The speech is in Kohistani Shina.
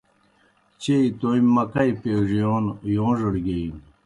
چیئی تومیْ مکئی پَیڙِیون یوݩڙَڑ گیئینیْ۔